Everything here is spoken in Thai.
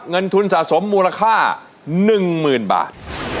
เงินทุนสะสมมูลค่าหนึ่งหมื่นบาท